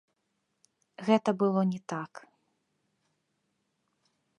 Гэта было не так.